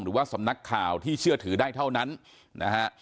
หรือว่าสำนักข่าวที่เชื่อถือได้เท่านั้นนะฮะ